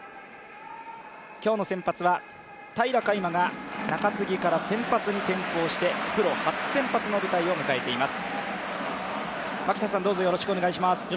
今日の先発は平良海馬が中継ぎから先発に転向してプロ初先発の舞台を迎えています。